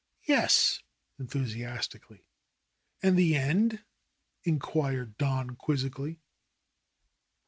"Yes," enthusiastically. "And the end ?" inquired Don quizzically.